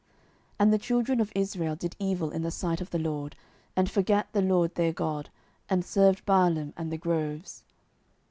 07:003:007 And the children of Israel did evil in the sight of the LORD, and forgat the LORD their God, and served Baalim and the groves.